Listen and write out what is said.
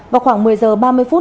vào khoảng một mươi h ba mươi phút